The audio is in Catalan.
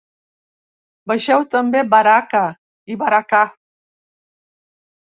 Vegeu també: "Baraka" i "Barakah".